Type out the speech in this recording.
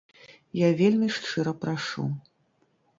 Я вельмі шчыра прашу.